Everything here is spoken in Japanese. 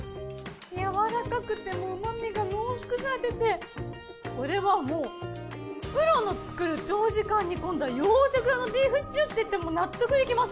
やわらかくて旨みが濃縮されててこれはもうプロの作る長時間煮込んだ洋食屋のビーフシチューっていっても納得できます。